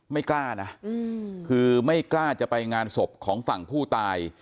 ไม่กล้านะคือไม่กล้าจะไปงานศพของฝั่งผู้ตาย